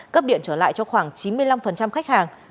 cấp điện trở lại cho khoảng chín mươi năm khách hàng